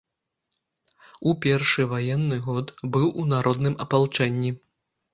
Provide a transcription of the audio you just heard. У першы ваенны год быў у народным апалчэнні.